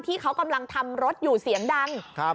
ที่เขากำลังทำรถอยู่เสียงดัง